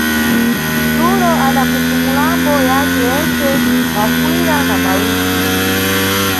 Sulo adakhuthumulambo yace yensene, mafuyira na mawisi.